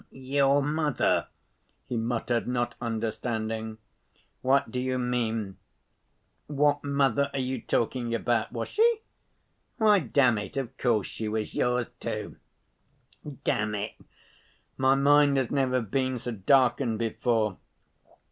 "Your mother?" he muttered, not understanding. "What do you mean? What mother are you talking about? Was she?... Why, damn it! of course she was yours too! Damn it! My mind has never been so darkened before.